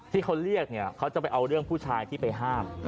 ที่เขาเรียกเนี่ยเขาจะไปเอาเรื่องผู้ชายที่ไปห้าม